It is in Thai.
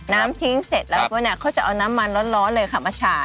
น้ำทิ้งเสร็จแล้วก็เนี่ยเขาจะเอาน้ำมันร้อนเลยค่ะมาฉา